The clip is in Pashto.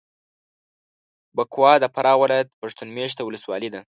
بکوا د فراه ولایت پښتون مېشته ولسوالي ده.